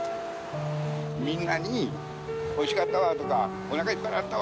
みんなに「おいしかったわ」とかおなかいっぱいになったわ」